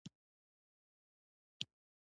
د سپټمبر پر دېرشمه له احمد ولي خان کره وم.